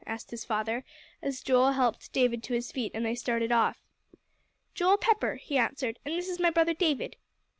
asked his father, as Joel helped David to his feet, and they started off. "Joel Pepper," he answered, "and this is my brother David.